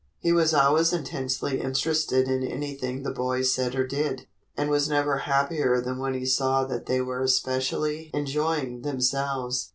He was always intensely interested in anything the boys said or did, and was never happier than when he saw that they were especially enjoying themselves.